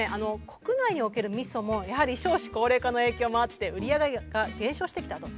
国内におけるみそもやはり少子高齢化の影響もあって売り上げが減少してきたと。